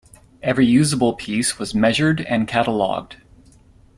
Every usable piece was measured and catalogued.